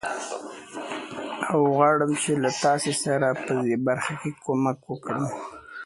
Peggy agrees to stay with Pete but tells him no more cruises.